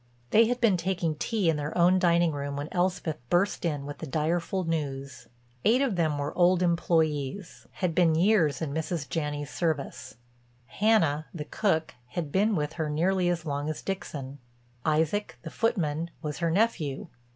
They had been taking tea in their own dining room when Elspeth burst in with the direful news. Eight of them were old employees—had been years in Mrs. Janney's service. Hannah, the cook, had been with her nearly as long as Dixon; Isaac, the footman, was her nephew.